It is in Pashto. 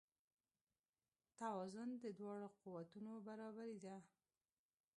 توازن د دواړو قوتونو برابري ده.